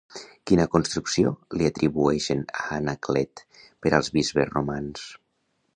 Quina construcció li atribueixen a Anaclet per als bisbes romans?